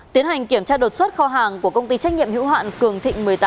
tiến hành kiểm tra đột xuất kho hàng của công ty trách nhiệm hữu hạn cường thịnh một mươi tám